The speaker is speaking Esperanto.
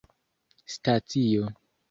stacio